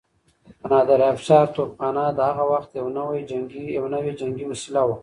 د نادرافشار توپخانه د هغه وخت يو نوی جنګي وسيله وه.